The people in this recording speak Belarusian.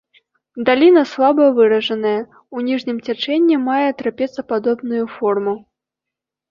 Даліна слаба выражаная, у ніжнім цячэнні мае трапецападобную форму.